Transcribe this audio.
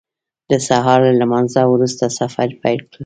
د سهار له لمانځه وروسته سفر پیل کړ.